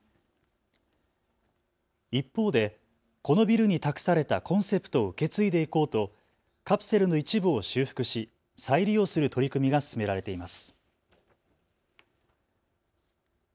一方で、このビルに託されたコンセプトを受け継いでいこうとカプセルの一部を修復し再利用する取り組みが進められています。